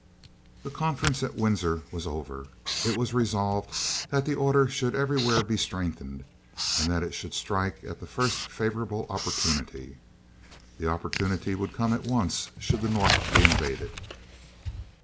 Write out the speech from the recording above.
The conference at Windsor was over. It was resolved that the order should everywhere be strengthened, and that it should strike at the first favorable opportunity. That opportunity would come at once, should the North be invaded.